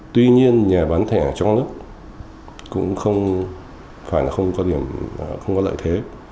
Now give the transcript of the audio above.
tuy nhiên nhà bán thẻ trong nước cũng không phải là không có lợi thế